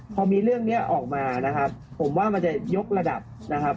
พอมีเรื่องนี้ออกมานะครับผมว่ามันจะยกระดับนะครับ